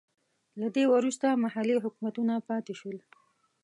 له دې وروسته محلي حکومتونه پاتې شول.